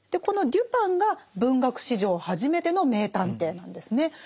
このデュパンが文学史上初めての名探偵なんですね。